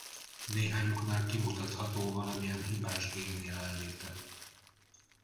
Néhányuknál kimutatható valamilyen hibás gén jelenléte.